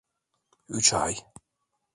Üç ay.